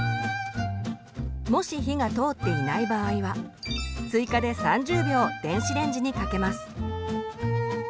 もし火が通っていない場合は追加で３０秒電子レンジにかけます。